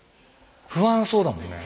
不安そうだもんね。